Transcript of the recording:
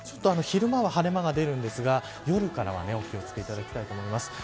昼間は晴れ間が出るんですが夜からはお気を付けいただきたいと思います。